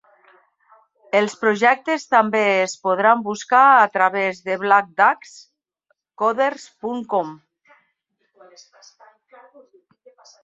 Els projectes també es podran buscar a través de Black Duck's Koders punt com.